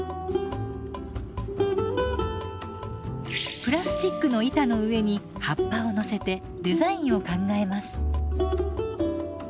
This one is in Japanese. プラスチックの板の上に葉っぱを乗せてデザインを考えます。